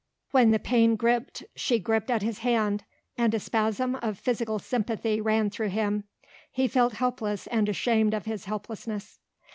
When the pain gripped she gripped at his hand, and a spasm of physical sympathy ran through him. He felt helpless and ashamed of his helplessness.